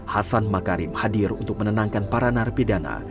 hasan makarim hadir untuk menenangkan para narapidana